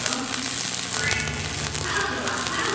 彼女はサルマ。